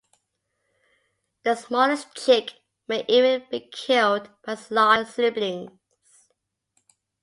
The smallest chick may even be killed by its larger siblings.